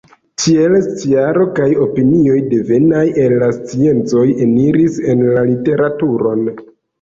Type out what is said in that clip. Tiele sciaro kaj opinioj devenaj el la sciencoj eniris en la literaturon.